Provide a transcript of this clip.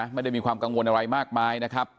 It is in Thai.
ไม่ได้มีความกังวลอะไรมากมายนะครับ